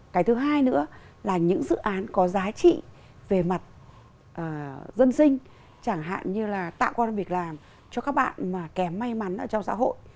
cái thứ hai nữa là những dự án có giá trị về mặt dân sinh chẳng hạn như là tạo quan việc làm cho các bạn mà kém may mắn trong xã hội